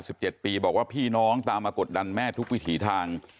ที่คอยดูแลแม่วัย๘๗ปีบอกว่าพี่น้องตามมากดดันแม่ทุกวิถีทาง